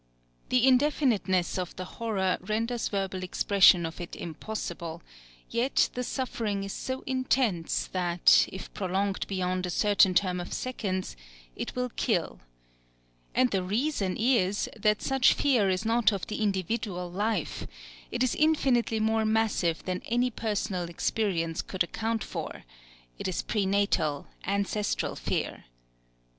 The indefiniteness of the horror renders verbal expression of it impossible; yet the suffering is so intense that, if prolonged beyond a certain term of seconds, it will kill. And the reason is that such fear is not of the individual life: it is infinitely more massive than any personal experience could account for; it is prenatal, ancestral fear.